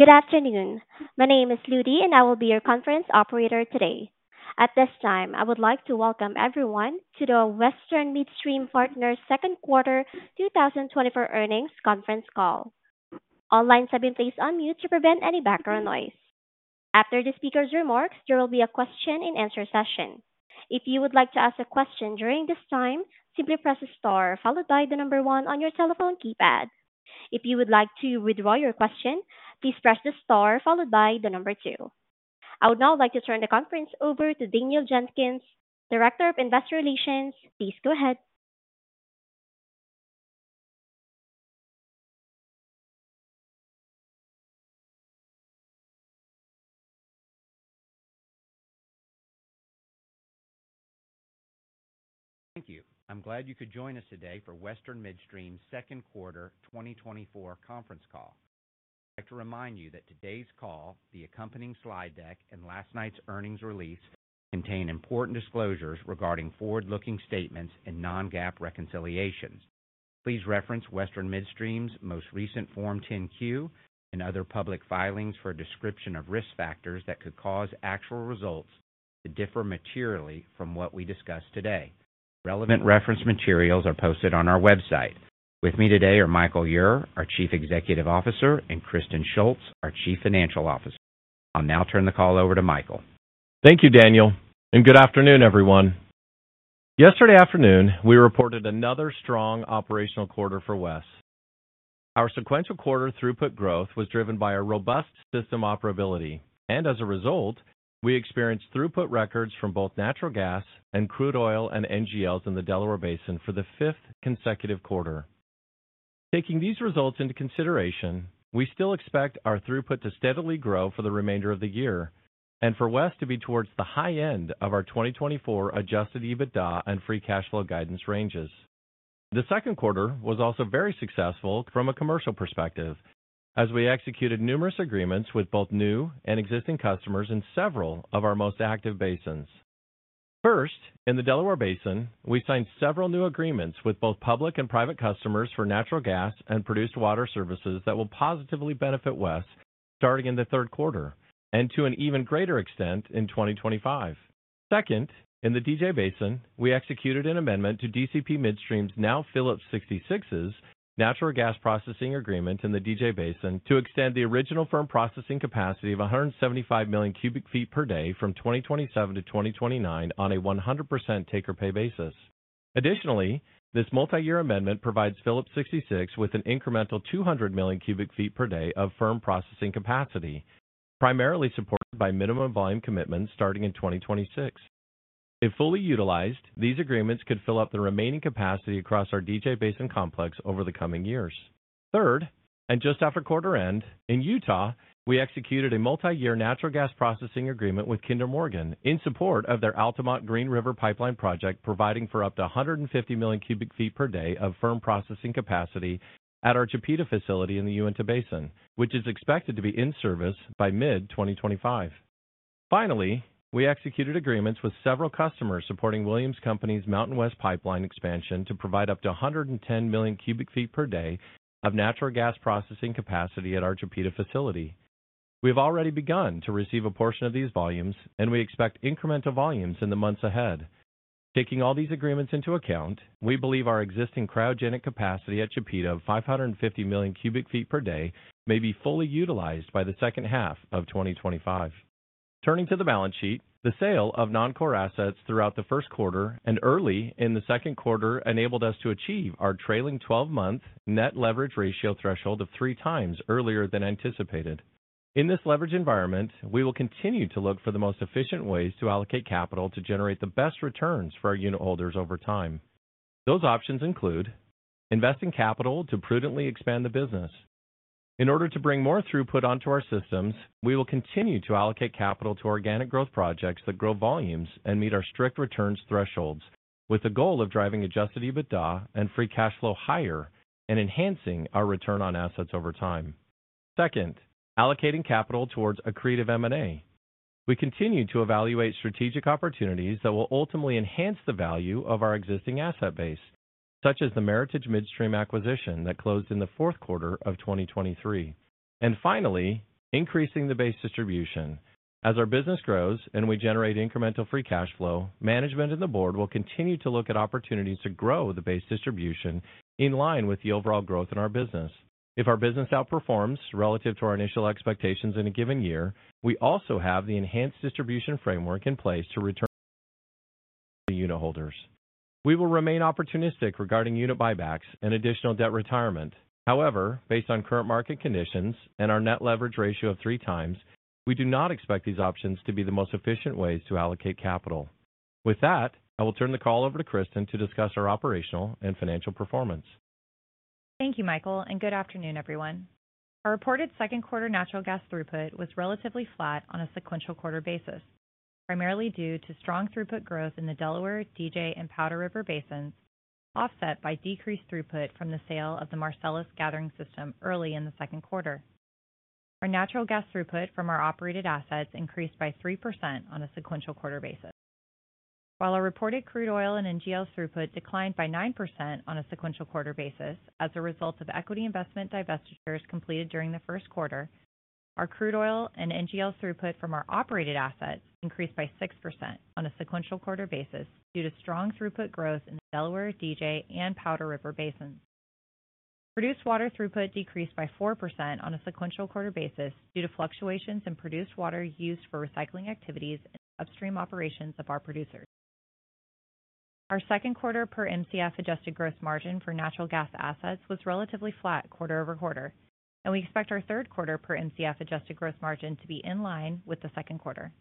Good afternoon. My name is Ludy, and I will be your conference operator today. At this time, I would like to welcome everyone to the Western Midstream Partners second quarter 2024 earnings conference call. All lines have been placed on mute to prevent any background noise. After the speaker's remarks, there will be a question-and-answer session. If you would like to ask a question during this time, simply press star followed by the number one on your telephone keypad. If you would like to withdraw your question, please press the star followed by the number two. I would now like to turn the conference over to Daniel Jenkins, Director of Investor Relations. Please go ahead. Thank you. I'm glad you could join us today for Western Midstream's second quarter 2024 conference call. I'd like to remind you that today's call, the accompanying slide deck and last night's earnings release contain important disclosures regarding forward-looking statements and non-GAAP reconciliations. Please reference Western Midstream's most recent Form 10-Q and other public filings for a description of risk factors that could cause actual results to differ materially from what we discuss today. Relevant reference materials are posted on our website. With me today are Michael Ure, our Chief Executive Officer, and Kristen Shults, our Chief Financial Officer. I'll now turn the call over to Michael. Thank you, Daniel, and good afternoon, everyone. Yesterday afternoon, we reported another strong operational quarter for WES. Our sequential quarter throughput growth was driven by a robust system operability, and as a result, we experienced throughput records from both natural gas and crude oil and NGLs in the Delaware Basin for the 5th consecutive quarter. Taking these results into consideration, we still expect our throughput to steadily grow for the remainder of the year and for West to be towards the high end of our 2024 Adjusted EBITDA and free cash flow guidance ranges. The second quarter was also very successful from a commercial perspective, as we executed numerous agreements with both new and existing customers in several of our most active basins. First, in the Delaware Basin, we signed several new agreements with both public and private customers for natural gas and produced water services that will positively benefit West, starting in the third quarter and to an even greater extent in 2025. Second, in the DJ Basin, we executed an amendment to DCP Midstream's, now Phillips 66's natural gas processing agreement in the DJ Basin to extend the original firm processing capacity of 175 million cubic feet per day from 2027 to 2029 on a 100% take or pay basis. Additionally, this multi-year amendment provides Phillips 66 with an incremental 200 million cubic feet per day of firm processing capacity, primarily supported by minimum volume commitments starting in 2026. If fully utilized, these agreements could fill up the remaining capacity across our DJ Basin complex over the coming years. Third, just after quarter end, in Utah, we executed a multi-year natural gas processing agreement with Kinder Morgan in support of their Altamont Green River Pipeline Project, providing for up to 150 million cubic feet per day of firm processing capacity at our Chipeta facility in the Uinta Basin, which is expected to be in service by mid-2025. Finally, we executed agreements with several customers supporting Williams Companies' MountainWest Pipeline expansion to provide up to 110 million cubic feet per day of natural gas processing capacity at our Chipeta facility. We have already begun to receive a portion of these volumes, and we expect incremental volumes in the months ahead. Taking all these agreements into account, we believe our existing cryogenic capacity at Chipeta of 550 million cubic feet per day may be fully utilized by the second half of 2025. Turning to the balance sheet, the sale of non-core assets throughout the first quarter and early in the second quarter enabled us to achieve our trailing-twelve-month net leverage ratio threshold of 3x earlier than anticipated. In this leverage environment, we will continue to look for the most efficient ways to allocate capital to generate the best returns for our unit holders over time. Those options include: investing capital to prudently expand the business. In order to bring more throughput onto our systems, we will continue to allocate capital to organic growth projects that grow volumes and meet our strict returns thresholds, with the goal of driving Adjusted EBITDA and free cash flow higher and enhancing our return on assets over time. Second, allocating capital towards accretive M&A. We continue to evaluate strategic opportunities that will ultimately enhance the value of our existing asset base, such as the Meritage Midstream acquisition that closed in the fourth quarter of 2023. And finally, increasing the base distribution. As our business grows and we generate incremental free cash flow, management and the board will continue to look at opportunities to grow the base distribution in line with the overall growth in our business. If our business outperforms relative to our initial expectations in a given year, we also have the enhanced distribution framework in place to return to the unitholders. We will remain opportunistic regarding unit buybacks and additional debt retirement. However, based on current market conditions and our net leverage ratio of 3x, we do not expect these options to be the most efficient ways to allocate capital. With that, I will turn the call over to Kristen to discuss our operational and financial performance. Thank you, Michael, and good afternoon, everyone. Our reported second quarter natural gas throughput was relatively flat on a sequential quarter basis, primarily due to strong throughput growth in the Delaware, DJ and Powder River basins, offset by decreased throughput from the sale of the Marcellus Gathering System early in the second quarter. Our natural gas throughput from our operated assets increased by 3% on a sequential quarter basis.... While our reported crude oil and NGL throughput declined by 9% on a sequential quarter basis as a result of equity investment divestitures completed during the first quarter, our crude oil and NGL throughput from our operated assets increased by 6% on a sequential quarter basis due to strong throughput growth in the Delaware Basin, DJ Basin, and Powder River Basin. Produced water throughput decreased by 4% on a sequential quarter basis due to fluctuations in produced water used for recycling activities in the upstream operations of our producers. Our second quarter per Mcf adjusted gross margin for natural gas assets was relatively flat quarter-over-quarter, and we expect our third quarter per Mcf adjusted gross margin to be in line with the second quarter.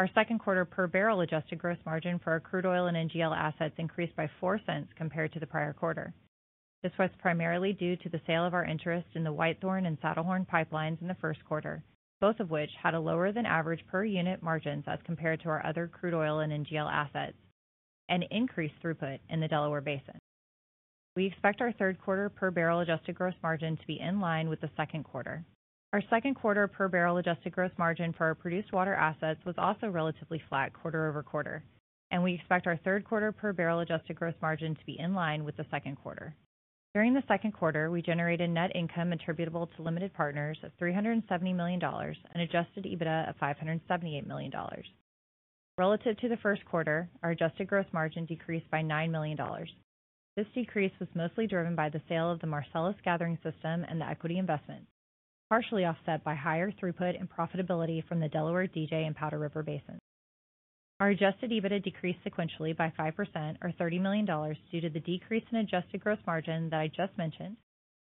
Our second quarter per barrel adjusted gross margin for our crude oil and NGL assets increased by $0.04 compared to the prior quarter. This was primarily due to the sale of our interest in the Whitethorn Pipeline and Saddlehorn Pipeline in the first quarter, both of which had a lower than average per unit margins as compared to our other crude oil and NGL assets, and increased throughput in the Delaware Basin. We expect our third quarter per barrel adjusted gross margin to be in line with the second quarter. Our second quarter per barrel adjusted gross margin for our produced water assets was also relatively flat quarter-over-quarter, and we expect our third quarter per barrel adjusted gross margin to be in line with the second quarter. During the second quarter, we generated net income attributable to limited partners of $370 million and Adjusted EBITDA of $578 million. Relative to the first quarter, our adjusted gross margin decreased by $9 million. This decrease was mostly driven by the sale of the Marcellus Gathering System and the equity investment, partially offset by higher throughput and profitability from the Delaware, DJ, and Powder River Basin. Our Adjusted EBITDA decreased sequentially by 5% or $30 million due to the decrease in adjusted gross margin that I just mentioned,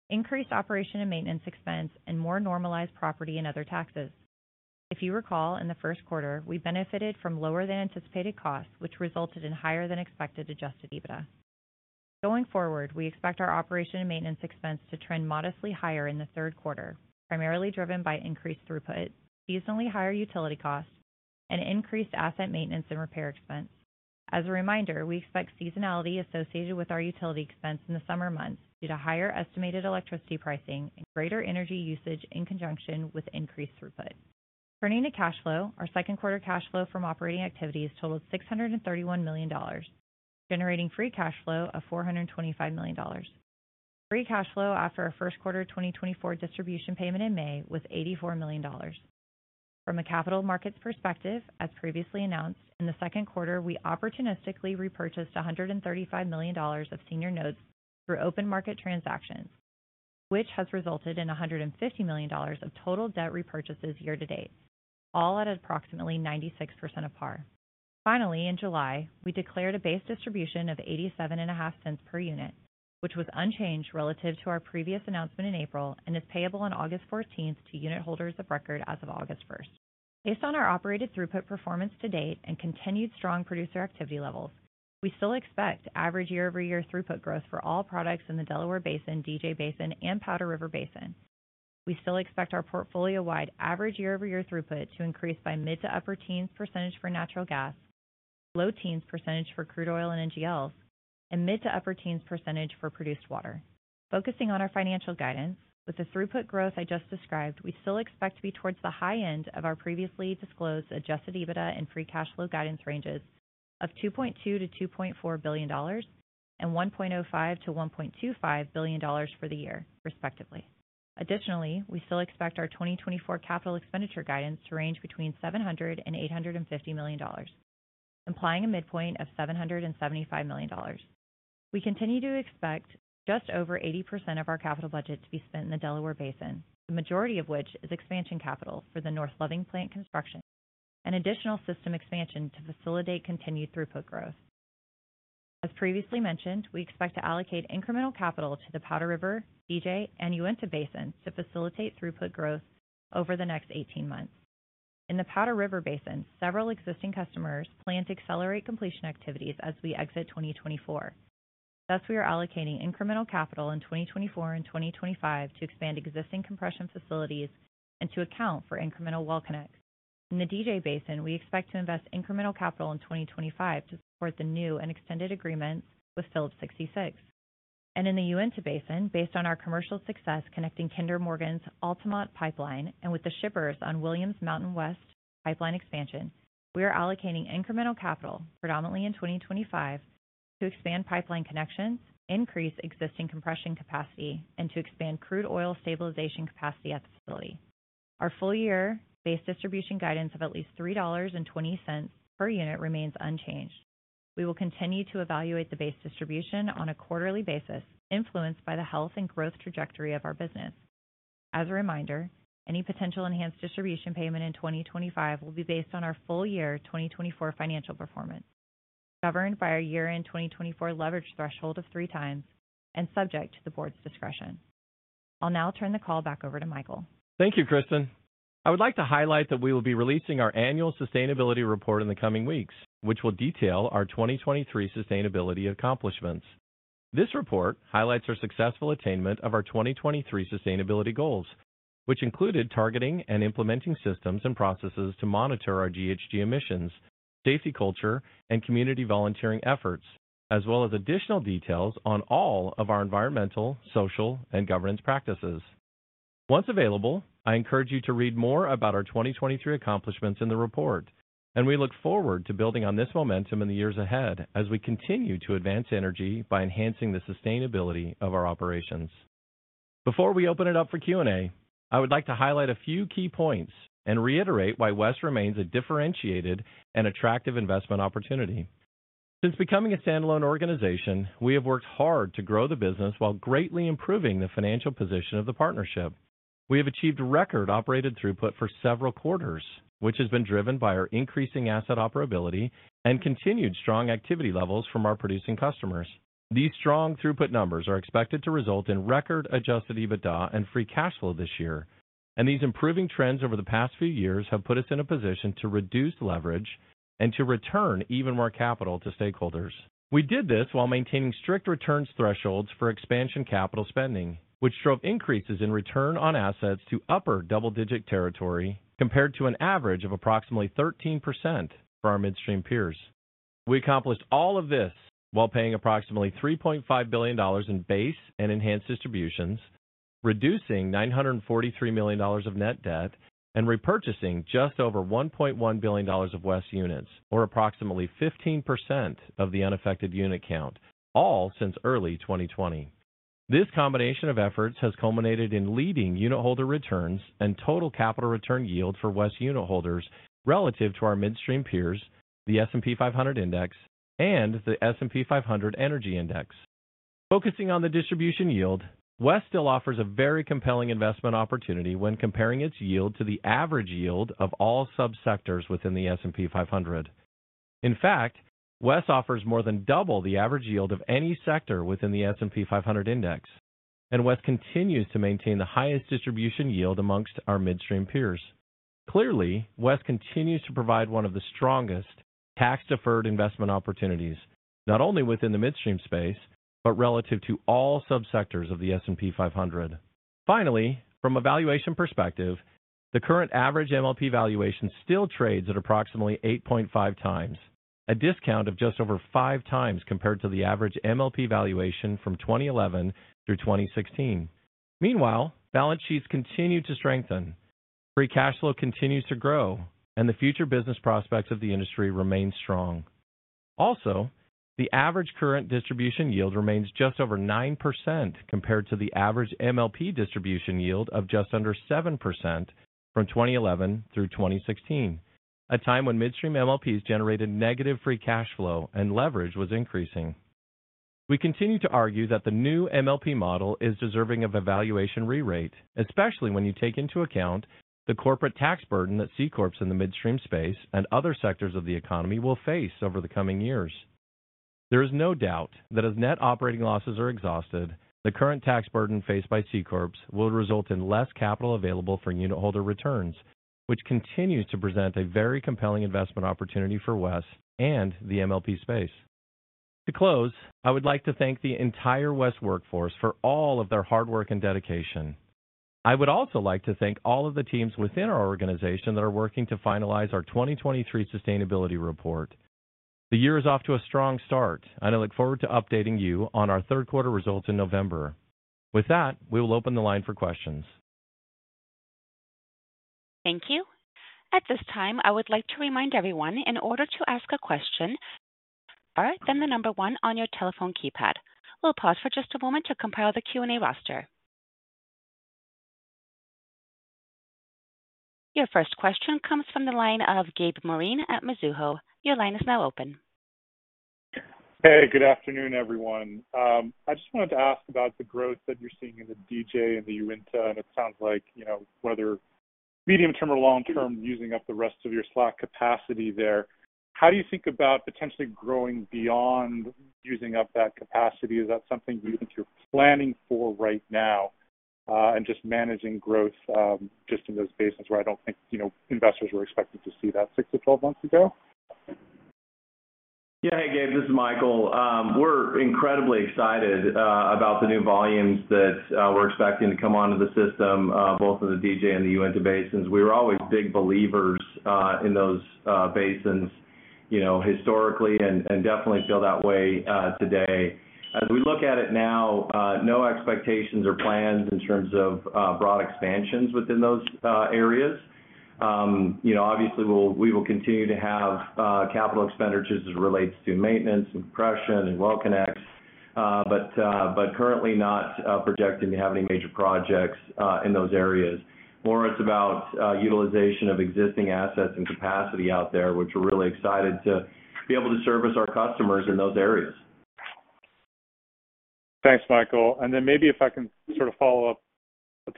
increased operation and maintenance expense, and more normalized property and other taxes. If you recall, in the first quarter, we benefited from lower than anticipated costs, which resulted in higher than expected Adjusted EBITDA. Going forward, we expect our operation and maintenance expense to trend modestly higher in the third quarter, primarily driven by increased throughput, seasonally higher utility costs, and increased asset maintenance and repair expense. As a reminder, we expect seasonality associated with our utility expense in the summer months due to higher estimated electricity pricing and greater energy usage in conjunction with increased throughput. Turning to cash flow, our second quarter cash flow from operating activities totaled $631 million, generating free cash flow of $425 million. Free cash flow after our first quarter 2024 distribution payment in May was $84 million. From a capital markets perspective, as previously announced, in the second quarter, we opportunistically repurchased $135 million of senior notes through open market transactions, which has resulted in $150 million of total debt repurchases year-to-date, all at approximately 96% of par. Finally, in July, we declared a base distribution of $0.875 per unit, which was unchanged relative to our previous announcement in April and is payable on August 14 to unit holders of record as of August 1. Based on our operated throughput performance to date and continued strong producer activity levels, we still expect average year-over-year throughput growth for all products in the Delaware Basin, DJ Basin, and Powder River Basin. We still expect our portfolio-wide average year-over-year throughput to increase by mid- to upper-teens % for natural gas, low-teens % for crude oil and NGLs, and mid- to upper-teens % for produced water. Focusing on our financial guidance, with the throughput growth I just described, we still expect to be towards the high end of our previously disclosed Adjusted EBITDA and free cash flow guidance ranges of $2.2 billion-$2.4 billion and $1.05 billion-$1.25 billion for the year, respectively. Additionally, we still expect our 2024 capital expenditure guidance to range between $700 million and $850 million, implying a midpoint of $775 million. We continue to expect just over 80% of our capital budget to be spent in the Delaware Basin, the majority of which is expansion capital for the North Loving Plant construction and additional system expansion to facilitate continued throughput growth. As previously mentioned, we expect to allocate incremental capital to the Powder River, DJ, and Uinta Basins to facilitate throughput growth over the next 18 months. In the Powder River Basin, several existing customers plan to accelerate completion activities as we exit 2024. Thus, we are allocating incremental capital in 2024 and 2025 to expand existing compression facilities and to account for incremental well connect. In the DJ Basin, we expect to invest incremental capital in 2025 to support the new and extended agreement with Phillips 66. In the Uinta Basin, based on our commercial success, connecting Kinder Morgan's Altamont Pipeline and with the shippers on Williams MountainWest Pipeline expansion, we are allocating incremental capital predominantly in 2025 to expand pipeline connections, increase existing compression capacity, and to expand crude oil stabilization capacity at the facility. Our full year base distribution guidance of at least $3.20 per unit remains unchanged. We will continue to evaluate the base distribution on a quarterly basis, influenced by the health and growth trajectory of our business. As a reminder, any potential enhanced distribution payment in 2025 will be based on our full year 2024 financial performance, governed by our year-end 2024 leverage threshold of 3x and subject to the board's discretion. I'll now turn the call back over to Michael. Thank you, Kristen. I would like to highlight that we will be releasing our annual sustainability report in the coming weeks, which will detail our 2023 sustainability accomplishments. This report highlights our successful attainment of our 2023 sustainability goals, which included targeting and implementing systems and processes to monitor our GHG emissions, safety, culture, and community volunteering efforts, as well as additional details on all of our environmental, social, and governance practices.... Once available, I encourage you to read more about our 2023 accomplishments in the report, and we look forward to building on this momentum in the years ahead as we continue to advance energy by enhancing the sustainability of our operations. Before we open it up for Q&A, I would like to highlight a few key points and reiterate why West remains a differentiated and attractive investment opportunity. Since becoming a standalone organization, we have worked hard to grow the business while greatly improving the financial position of the partnership. We have achieved record-operated throughput for several quarters, which has been driven by our increasing asset operability and continued strong activity levels from our producing customers. These strong throughput numbers are expected to result in record Adjusted EBITDA and Free cash flow this year, and these improving trends over the past few years have put us in a position to reduce leverage and to return even more capital to stakeholders. We did this while maintaining strict returns thresholds for expansion capital spending, which drove increases in return on assets to upper double-digit territory compared to an average of approximately 13% for our midstream peers. We accomplished all of this while paying approximately $3.5 billion in base and enhanced distributions, reducing $943 million of net debt, and repurchasing just over $1.1 billion of WES units, or approximately 15% of the unaffected unit count, all since early 2020. This combination of efforts has culminated in leading unitholder returns and total capital return yield for WES unitholders relative to our midstream peers, the S&P 500 Index, and the S&P 500 Energy Index. Focusing on the distribution yield, West still offers a very compelling investment opportunity when comparing its yield to the average yield of all subsectors within the S&P 500 Index. In fact, WES offers more than double the average yield of any sector within the S&P 500 Index, and West continues to maintain the highest distribution yield amongst our midstream peers. Clearly, West continues to provide one of the strongest tax-deferred investment opportunities, not only within the midstream space, but relative to all subsectors of the S&P 500. Finally, from a valuation perspective, the current average MLP valuation still trades at approximately 8.5x, a discount of just over 5x compared to the average MLP valuation from 2011 through 2016. Meanwhile, balance sheets continue to strengthen, free cash flow continues to grow, and the future business prospects of the industry remain strong. Also, the average current distribution yield remains just over 9% compared to the average MLP distribution yield of just under 7% from 2011 through 2016, a time when midstream MLPs generated negative free cash flow and leverage was increasing. We continue to argue that the new MLP model is deserving of a valuation re-rate, especially when you take into account the corporate tax burden that C Corps in the midstream space and other sectors of the economy will face over the coming years. There is no doubt that as net operating losses are exhausted, the current tax burden faced by C Corps will result in less capital available for unitholder returns, which continues to present a very compelling investment opportunity for WES and the MLP space. To close, I would like to thank the entire West workforce for all of their hard work and dedication. I would also like to thank all of the teams within our organization that are working to finalize our 2023 sustainability report. The year is off to a strong start, and I look forward to updating you on our third quarter results in November. With that, we will open the line for questions. Thank you. At this time, I would like to remind everyone, in order to ask a question, star, then the number one on your telephone keypad. We'll pause for just a moment to compile the Q&A roster. Your first question comes from the line of Gabe Moreen at Mizuho. Your line is now open. Hey, good afternoon, everyone. I just wanted to ask about the growth that you're seeing in the DJ and the Uinta, and it sounds like, you know, whether medium-term or long-term, using up the rest of your slack capacity there. How do you think about potentially growing beyond using up that capacity? Is that something you think you're planning for right now, and just managing growth, just in those basins where I don't think, you know, investors were expected to see that 6-12 months ago? Yeah. Hey, Gabe, this is Michael. We're incredibly excited about the new volumes that we're expecting to come onto the system both in the DJ and the Uinta basins. We were always big believers in those basins, you know, historically and definitely feel that way today. As we look at it now, no expectations or plans in terms of broad expansions within those areas. You know, obviously, we will continue to have capital expenditures as it relates to maintenance and compression and well connects, but currently not projecting to have any major projects in those areas. More, it's about utilization of existing assets and capacity out there, which we're really excited to be able to service our customers in those areas. Thanks, Michael. And then maybe if I can sort of follow up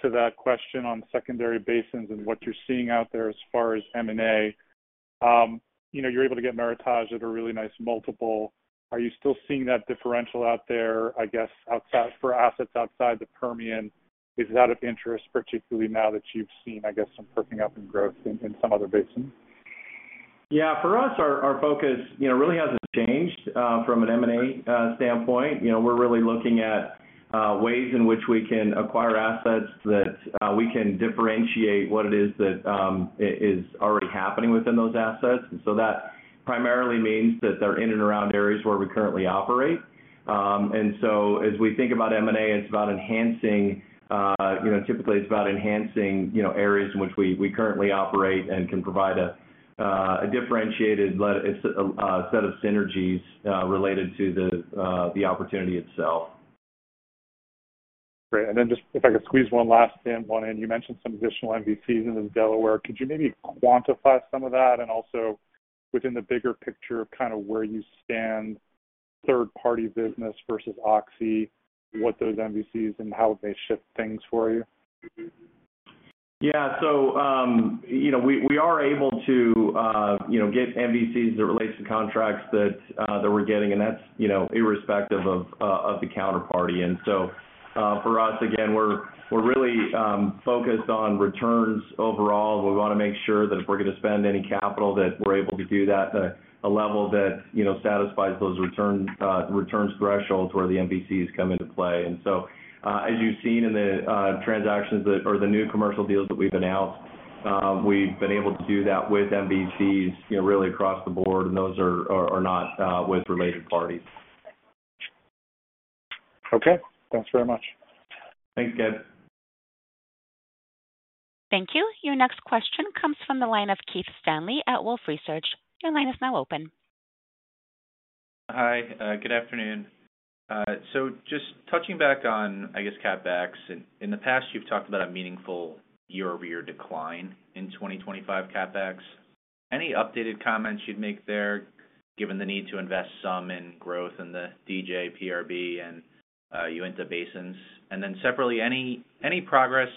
to that question on secondary basins and what you're seeing out there as far as M&A. You know, you're able to get Meritage at a really nice multiple. Are you still seeing that differential out there, I guess, outside, for assets outside the Permian? Is that of interest, particularly now that you've seen, I guess, some perking up in growth in some other basins? Yeah. For us, our focus, you know, really hasn't changed from an M&A standpoint. You know, we're really looking at ways in which we can acquire assets that we can differentiate what it is that is already happening within those assets. So that primarily means that they're in and around areas where we currently operate. And so as we think about M&A, it's about enhancing, you know, typically it's about enhancing, you know, areas in which we currently operate and can provide a differentiated set of synergies related to the opportunity itself. Great. And then just if I could squeeze one last in, one in. You mentioned some additional MVCs in Delaware. Could you maybe quantify some of that? And also within the bigger picture of kind of where you stand, third-party business versus Oxy, what those MVCs and how would they shift things for you? Yeah. So, you know, we are able to, you know, get MVCs that relates to contracts that we're getting, and that's, you know, irrespective of the counterparty. And so, for us, again, we're really focused on returns overall. We want to make sure that if we're going to spend any capital, that we're able to do that at a level that, you know, satisfies those returns thresholds where the MVCs come into play. And so, as you've seen in the new commercial deals that we've announced, we've been able to do that with MVCs, you know, really across the board, and those are not with related parties. Okay. Thanks very much. Thanks, Gabe. Thank you. Your next question comes from the line of Keith Stanley at Wolfe Research. Your line is now open. Hi, good afternoon. So just touching back on, I guess, CapEx in the past, you've talked about a meaningful year-over-year decline in 2025 CapEx. Any updated comments you'd make there, given the need to invest some in growth in the DJ, PRB and Uinta Basins? And then separately, any progress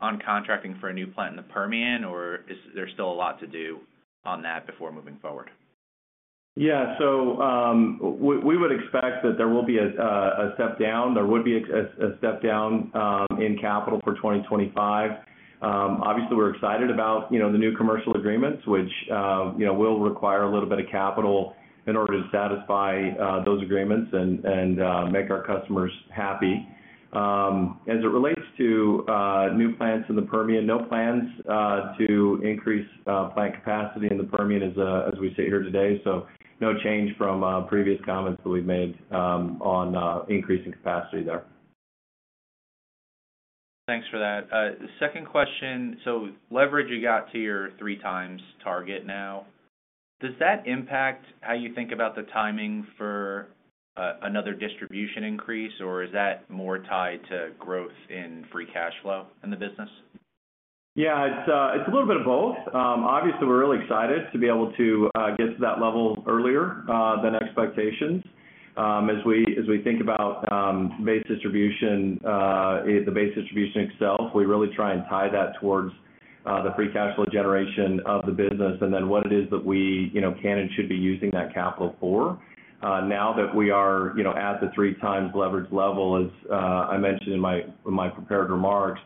on contracting for a new plant in the Permian, or is there still a lot to do on that before moving forward? Yeah, so, we would expect that there will be a step down. There would be a step down in capital for 2025. Obviously, we're excited about, you know, the new commercial agreements, which, you know, will require a little bit of capital in order to satisfy those agreements and make our customers happy. As it relates to new plants in the Permian, no plans to increase plant capacity in the Permian as we sit here today. So no change from previous comments that we've made on increasing capacity there. Thanks for that. The second question: so leverage, you got to your 3x target now. Does that impact how you think about the timing for another distribution increase, or is that more tied to growth in free cash flow in the business? Yeah, it's a little bit of both. Obviously, we're really excited to be able to get to that level earlier than expectations. As we think about base distribution, the base distribution itself, we really try and tie that towards the free cash flow generation of the business, and then what it is that we, you know, can and should be using that capital for. Now that we are, you know, at the 3x leverage level, as I mentioned in my prepared remarks,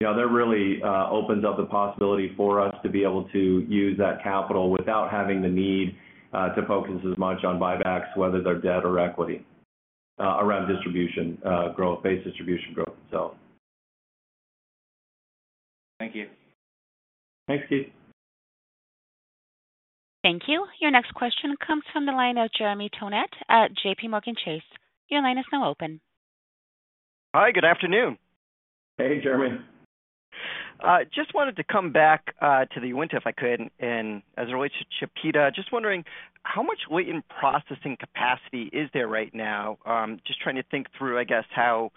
you know, that really opens up the possibility for us to be able to use that capital without having the need to focus as much on buybacks, whether they're debt or equity, around distribution growth, base distribution growth, so. Thank you. Thanks, Keith. Thank you. Your next question comes from the line of Jeremy Tonet at JPMorgan Chase. Your line is now open. Hi, good afternoon. Hey, Jeremy. Just wanted to come back to the Uinta, if I could, and as it relates to Chipeta, just wondering how much weight in processing capacity is there right now? Just trying to think through, I guess, how,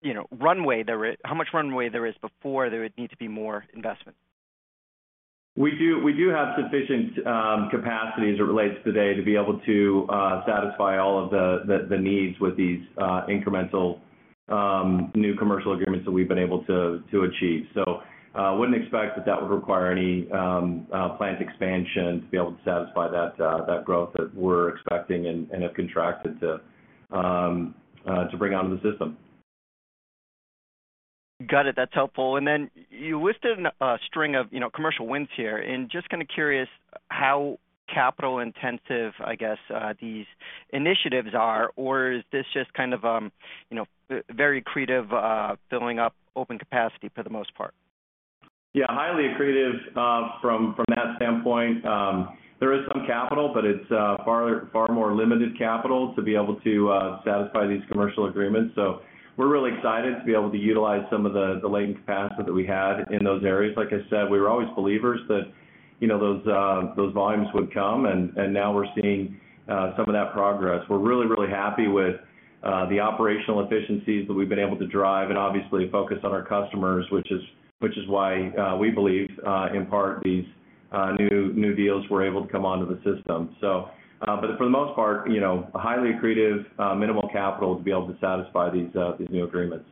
you know, runway there is, how much runway there is before there would need to be more investment. We do, we do have sufficient capacity as it relates today to be able to satisfy all of the needs with these incremental new commercial agreements that we've been able to achieve. So, wouldn't expect that that would require any plant expansion to be able to satisfy that that growth that we're expecting and have contracted to bring onto the system. Got it. That's helpful. And then you listed a string of, you know, commercial wins here. And just kind of curious how capital-intensive, I guess, these initiatives are, or is this just kind of, you know, very accretive, filling up open capacity for the most part? Yeah, highly accretive, from that standpoint. There is some capital, but it's far, far more limited capital to be able to satisfy these commercial agreements. So we're really excited to be able to utilize some of the latent capacity that we had in those areas. Like I said, we were always believers that, you know, those volumes would come, and now we're seeing some of that progress. We're really, really happy with the operational efficiencies that we've been able to drive and obviously focus on our customers, which is why we believe, in part, these new deals were able to come onto the system. So, but for the most part, you know, highly accretive, minimal capital to be able to satisfy these new agreements.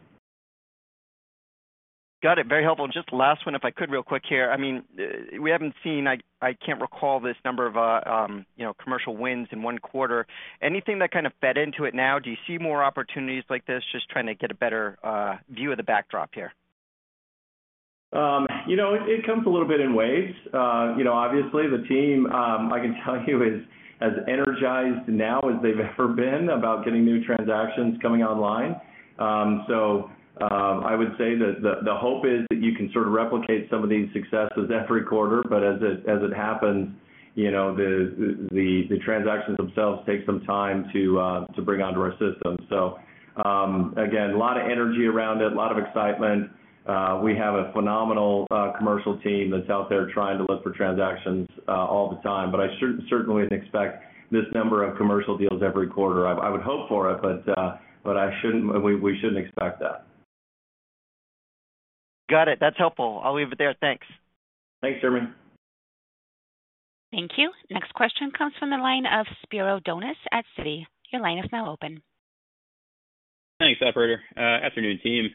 Got it. Very helpful. Just last one, if I could, real quick here. I mean, we haven't seen... I can't recall this number of, you know, commercial wins in one quarter. Anything that kind of fed into it now? Do you see more opportunities like this? Just trying to get a better view of the backdrop here.... You know, it comes a little bit in waves. You know, obviously, the team, I can tell you, is as energized now as they've ever been about getting new transactions coming online. So, I would say that the hope is that you can sort of replicate some of these successes every quarter, but as it happens, you know, the transactions themselves take some time to bring onto our system. So, again, a lot of energy around it, a lot of excitement. We have a phenomenal commercial team that's out there trying to look for transactions all the time, but I certainly wouldn't expect this number of commercial deals every quarter. I would hope for it, but I shouldn't, we shouldn't expect that. Got it. That's helpful. I'll leave it there. Thanks. Thanks, Jeremy. Thank you. Next question comes from the line of Spiro Dounis at Citi. Your line is now open. Thanks, operator. Afternoon, team.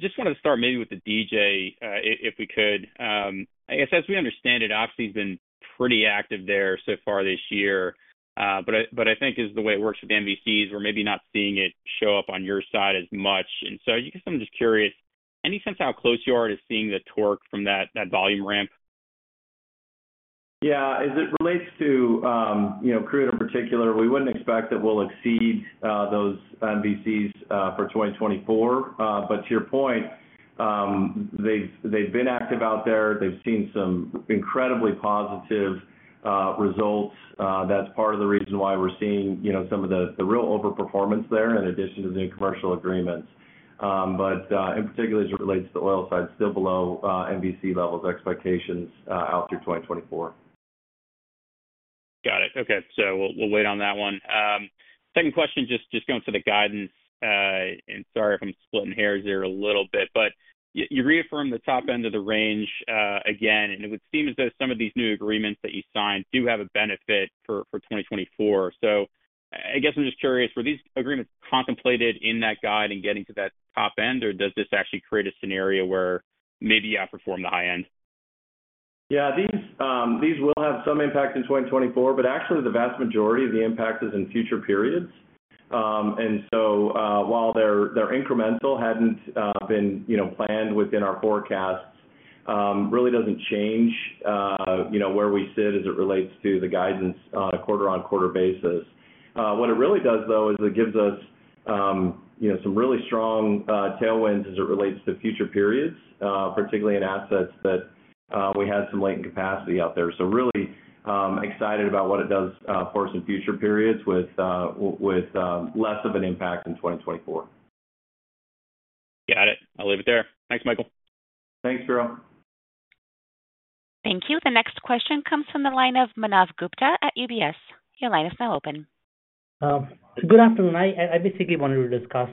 Just wanted to start maybe with the DJ, if we could. I guess, as we understand it, obviously, it's been pretty active there so far this year. But I, but I think is the way it works with MVCs, we're maybe not seeing it show up on your side as much. And so I guess I'm just curious, any sense how close you are to seeing the torque from that, that volume ramp? Yeah, as it relates to, you know, crude in particular, we wouldn't expect that we'll exceed those MVCs for 2024. But to your point, they've, they've been active out there. They've seen some incredibly positive results. That's part of the reason why we're seeing, you know, some of the, the real overperformance there, in addition to the new commercial agreements. But, in particular, as it relates to the oil side, still below MVC levels expectations out through 2024. Got it. Okay, so we'll wait on that one. Second question, just going to the guidance, and sorry if I'm splitting hairs here a little bit, but you reaffirmed the top end of the range again, and it would seem as though some of these new agreements that you signed do have a benefit for 2024. So I guess I'm just curious, were these agreements contemplated in that guide and getting to that top end, or does this actually create a scenario where maybe you outperform the high end? Yeah, these, these will have some impact in 2024, but actually, the vast majority of the impact is in future periods. And so, while they're, they're incremental, hadn't, you know, been, you know, planned within our forecasts, really doesn't change, you know, where we sit as it relates to the guidance on a quarter-on-quarter basis. What it really does, though, is it gives us, you know, some really strong, tailwinds as it relates to future periods, particularly in assets that, we had some latent capacity out there. So really, excited about what it does, for some future periods with, with, less of an impact in 2024. Got it. I'll leave it there. Thanks, Michael. Thanks, Spiro. Thank you. The next question comes from the line of Manav Gupta at UBS. Your line is now open. Good afternoon. I basically wanted to discuss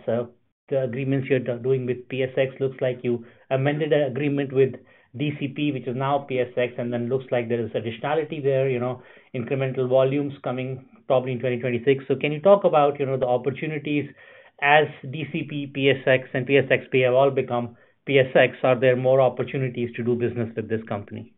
the agreements you're doing with PSX. Looks like you amended an agreement with DCP, which is now PSX, and then looks like there is additionality there, you know, incremental volumes coming probably in 2026. So can you talk about, you know, the opportunities as DCP, PSX, and PSXP have all become PSX? Are there more opportunities to do business with this company?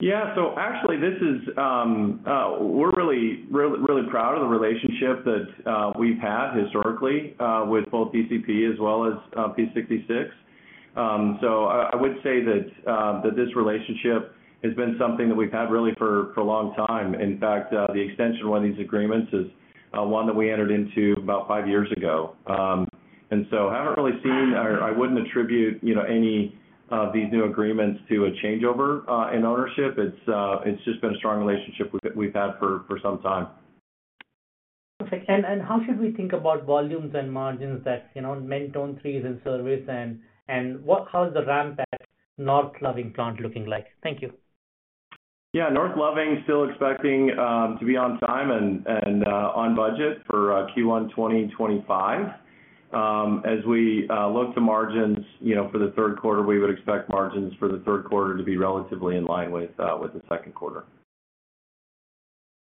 Yeah. So actually, this is, we're really, really, really proud of the relationship that we've had historically with both DCP as well as Phillips 66. So I, I would say that that this relationship has been something that we've had really for a long time. In fact, the extension of one of these agreements is one that we entered into about five years ago. And so I haven't really seen or I wouldn't attribute, you know, any of these new agreements to a changeover in ownership. It's just been a strong relationship we've had for some time. Okay. And how should we think about volumes and margins that, you know, Mentone III's in service, and how is the ramp at North Loving Plant looking like? Thank you. Yeah, North Loving still expecting to be on time and on budget for Q1 2025. As we look to margins, you know, for the third quarter, we would expect margins for the third quarter to be relatively in line with the second quarter.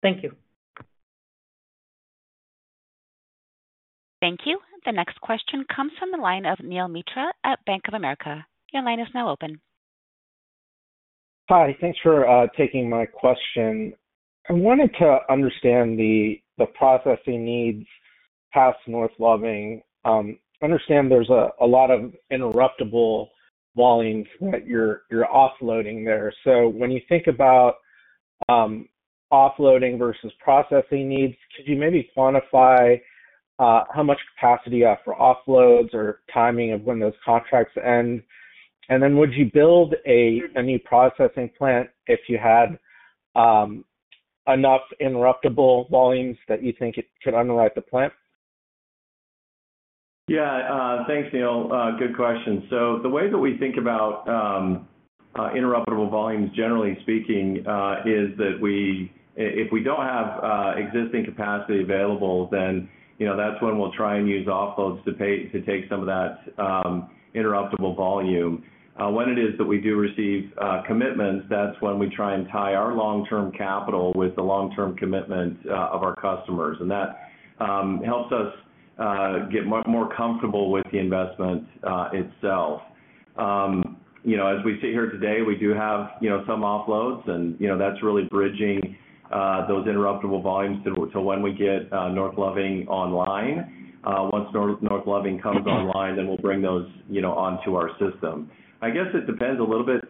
Thank you. Thank you. The next question comes from the line of Neel Mitra at Bank of America. Your line is now open. Hi. Thanks for taking my question. I wanted to understand the processing needs past North Loving. I understand there's a lot of interruptible volumes that you're offloading there. So when you think about offloading versus processing needs, could you maybe quantify how much capacity are for offloads or timing of when those contracts end? And then would you build a new processing plant if you had enough interruptible volumes that you think it could underwrite the plant? Yeah. Thanks, Neel. Good question. So the way that we think about interruptible volumes, generally speaking, is that if we don't have existing capacity available, then, you know, that's when we'll try and use offloads to pay, to take some of that interruptible volume. When it is that we do receive commitments, that's when we try and tie our long-term capital with the long-term commitment of our customers. And that helps us get much more comfortable with the investment itself. You know, as we sit here today, we do have, you know, some offloads, and, you know, that's really bridging those interruptible volumes to when we get North Loving online. Once North Loving comes online, then we'll bring those, you know, onto our system. I guess it depends a little bit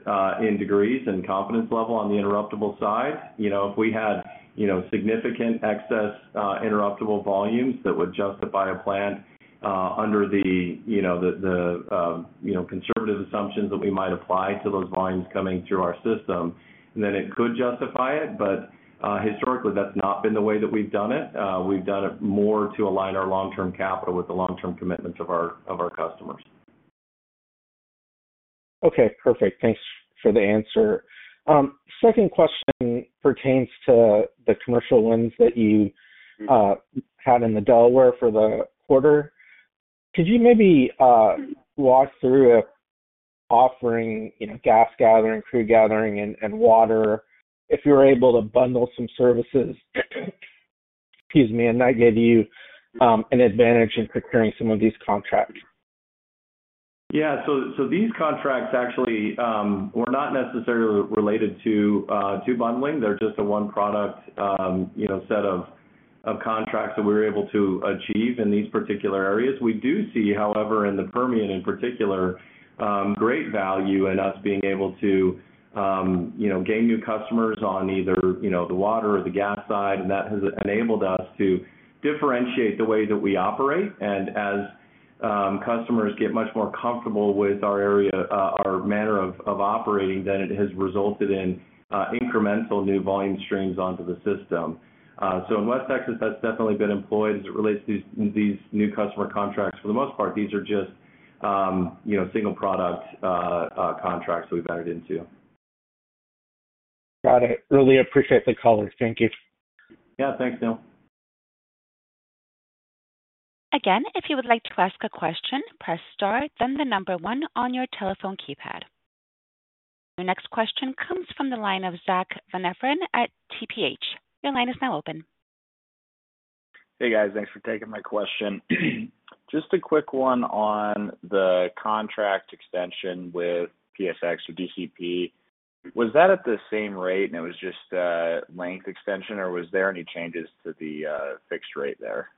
in degrees and confidence level on the interruptible side. You know, if we had, you know, significant excess interruptible volumes that would justify a plant under the, you know, conservative assumptions that we might apply to those volumes coming through our system, then it could justify it, but historically, that's not been the way that we've done it. We've done it more to align our long-term capital with the long-term commitments of our customers. Okay, perfect. Thanks for the answer. Second question pertains to the commercial wins that you had in the Delaware for the quarter. Could you maybe walk through offering, you know, gas gathering, crude gathering, and water, if you were able to bundle some services, excuse me, and that gave you an advantage in procuring some of these contracts? Yeah. So these contracts actually were not necessarily related to bundling. They're just a one product, you know, set of contracts that we were able to achieve in these particular areas. We do see, however, in the Permian, in particular, great value in us being able to, you know, gain new customers on either, you know, the water or the gas side, and that has enabled us to differentiate the way that we operate. And as customers get much more comfortable with our area, our manner of operating, then it has resulted in incremental new volume streams onto the system. So in West Texas, that's definitely been employed as it relates to these new customer contracts. For the most part, these are just, you know, single product contracts that we've entered into. Got it. Really appreciate the color. Thank you. Yeah. Thanks, Neel. Again, if you would like to ask a question, press star, then the number one on your telephone keypad. Your next question comes from the line of Zack Van Everen at TPH. Your line is now open. Hey, guys, thanks for taking my question. Just a quick one on the contract extension with PSX or DCP. Was that at the same rate, and it was just a length extension, or was there any changes to the fixed rate there?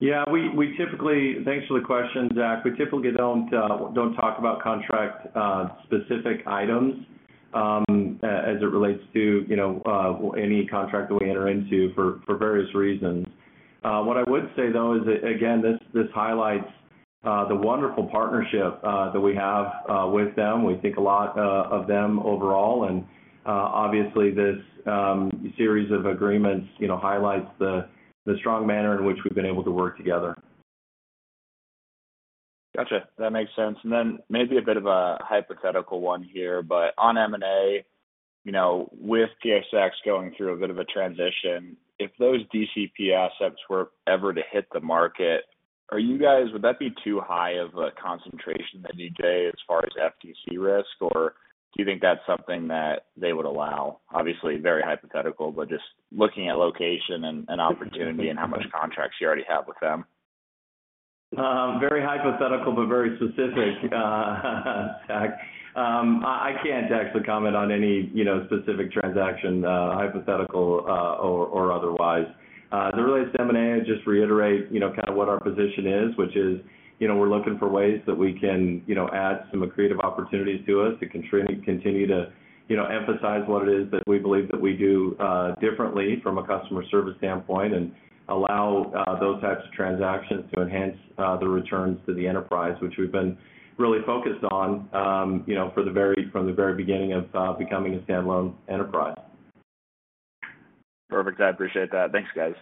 Yeah, we typically... Thanks for the question, Zack. We typically don't talk about contract specific items as it relates to, you know, any contract that we enter into for various reasons. What I would say, though, is that, again, this highlights the wonderful partnership that we have with them. We think a lot of them overall, and obviously this series of agreements, you know, highlights the strong manner in which we've been able to work together. Gotcha. That makes sense. And then maybe a bit of a hypothetical one here, but on M&A, you know, with PSX going through a bit of a transition, if those DCP assets were ever to hit the market, are you guys, would that be too high of a concentration at DJ as far as FTC risk, or do you think that's something that they would allow? Obviously, very hypothetical, but just looking at location and, and opportunity and how much contracts you already have with them. Very hypothetical, but very specific, Zack. I can't actually comment on any, you know, specific transaction, hypothetical, or otherwise. As it relates to M&A, I just reiterate, you know, kind of what our position is, which is, you know, we're looking for ways that we can, you know, add some accretive opportunities to us to continue to, you know, emphasize what it is that we believe that we do differently from a customer service standpoint, and allow those types of transactions to enhance the returns to the enterprise, which we've been really focused on, you know, from the very beginning of becoming a standalone enterprise. Perfect. I appreciate that. Thanks, guys.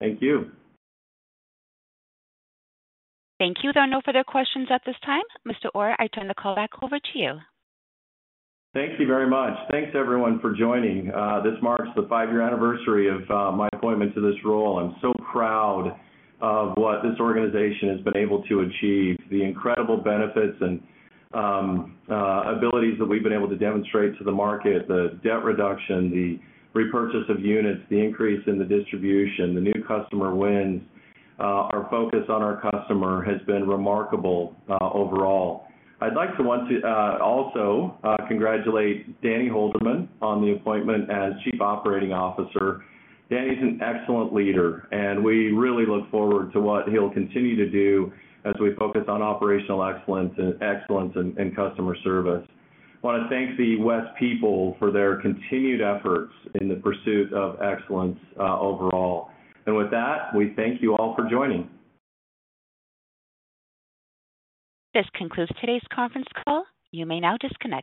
Thank you. Thank you. There are no further questions at this time. Mr. Ure, I turn the call back over to you. Thank you very much. Thanks, everyone, for joining. This marks the five-year anniversary of my appointment to this role. I'm so proud of what this organization has been able to achieve, the incredible benefits and abilities that we've been able to demonstrate to the market, the debt reduction, the repurchase of units, the increase in the distribution, the new customer wins. Our focus on our customer has been remarkable overall. I'd like to also congratulate Danny Holderman on the appointment as Chief Operating Officer. Danny's an excellent leader, and we really look forward to what he'll continue to do as we focus on operational excellence and excellence in customer service. I want to thank the West people for their continued efforts in the pursuit of excellence overall. With that, we thank you all for joining. This concludes today's conference call. You may now disconnect.